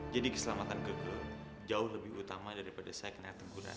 jadi keselamatan kege jauh lebih utama daripada saya kena teguran